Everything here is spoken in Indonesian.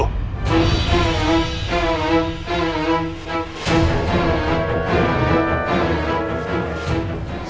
saudara pak wanpati